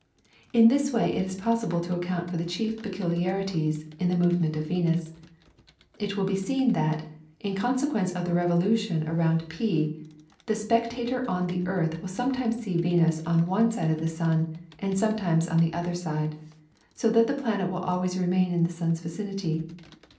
In this way it was possible to account for the chief peculiarities in the movement of Venus. It will be seen that, in consequence of the revolution around P, the spectator on the earth will sometimes see Venus on one side of the sun, and sometimes on the other side, so that the planet always remains in the sun's vicinity.